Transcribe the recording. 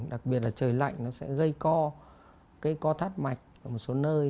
đặc biệt là trời lạnh nó sẽ gây co cái co thắt mạch ở một số nơi